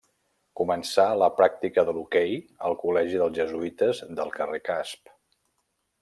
Començà la pràctica de l'hoquei al col·legi dels Jesuïtes del carrer Casp.